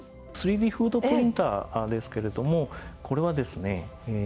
３Ｄフードプリンターですけれどもこれはですね